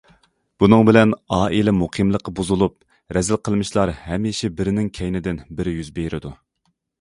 بۇنىڭ بىلەن ئائىلە مۇقىملىقى بۇزۇلۇپ، رەزىل قىلمىشلار ھەمىشە بىرىنىڭ كەينىدىن بىرى يۈز بېرىدۇ.